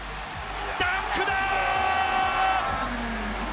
ダンクだ！